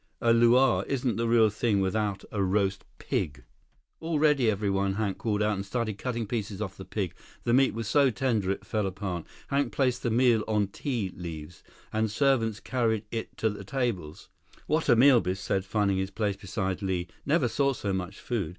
A luau isn't the real thing without a roast pig. "All ready, everyone," Hank called out, and started cutting pieces of the pig. The meat was so tender it fell apart. Hank placed the meat on ti leaves, and servants carried it to the tables. "What a meal!" Biff said, finding his place beside Li. "Never saw so much food."